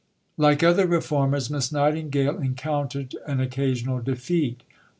II Like other reformers, Miss Nightingale encountered an occasional defeat.